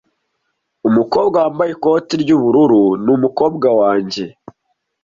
Umukobwa wambaye ikoti ry'ubururu ni umukobwa wanjye.